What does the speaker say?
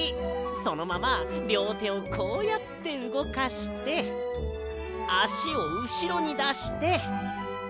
そのままりょうてをこうやってうごかしてあしをうしろにだして。